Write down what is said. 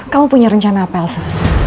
kamu punya rencana apa elsa